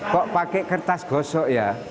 kok pakai kertas gosok ya